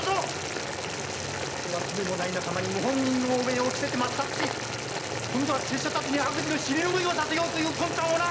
かつては罪もない仲間に謀反人の汚名を着せて抹殺し今度は拙者たちに悪事の尻拭いをさせようという魂胆をな！